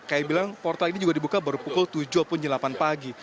kayak bilang portal ini juga dibuka baru pukul tujuh pun delapan pagi